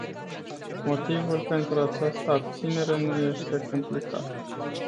Motivul pentru această abținere nu este complicat.